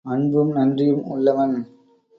அன்பும் நன்றியும் உள்ளவன்.